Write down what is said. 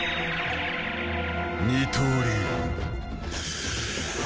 二刀流。